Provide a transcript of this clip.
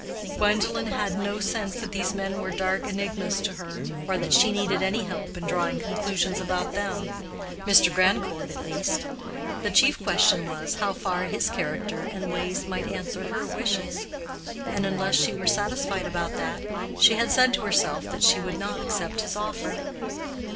Gwendolen had no sense that these men were dark enigmas to her, or that she needed any help in drawing conclusions about them—Mr. Grandcourt at least. The chief question was, how far his character and ways might answer her wishes; and unless she were satisfied about that, she had said to herself that she would not accept his offer.